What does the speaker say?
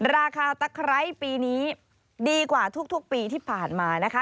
ราคาตะไคร้ปีนี้ดีกว่าทุกปีที่ผ่านมานะคะ